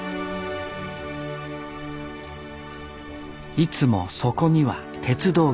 いつもそこには鉄道橋。